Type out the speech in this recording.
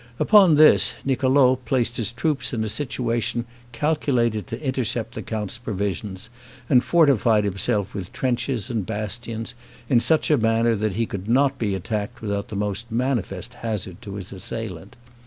Upon this, Niccolo placed his troops in a situation calculated to intercept the count's provisions, and fortified himself with trenches and bastions in such a manner that he could not be attacked without the most manifest hazard to his assailant.